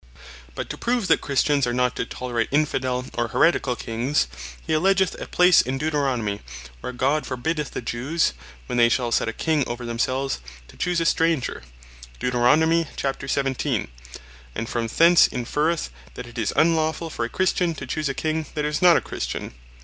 But to prove that Christians are not to tolerate Infidell, or Haereticall Kings, he alledgeth a place in Deut. 17. where God forbiddeth the Jews, when they shall set a King over themselves, to choose a stranger; And from thence inferreth, that it is unlawfull for a Christian, to choose a King, that is not a Christian.